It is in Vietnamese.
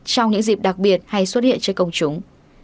trong những dịp đặc biệt hay xuất hiện cho công chúng